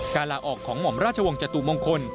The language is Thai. ลาออกของหม่อมราชวงศตุมงคล